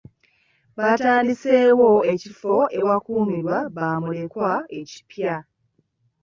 Batandiseewo ekifo ewakuumirwa bamulekwa ekipya.